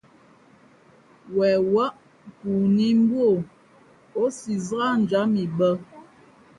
Wen wάʼ nkoo nǐ mbú o, ǒ si zák njǎm i bᾱ.